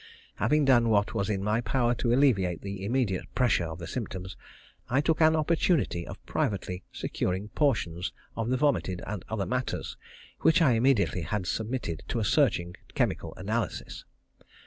Having done what was in my power to alleviate the immediate pressure of the symptoms, I took an opportunity of privately securing portions of the vomited and other matters, which I immediately had submitted to a searching chemical analysis.